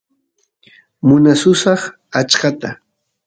munasusaq achkata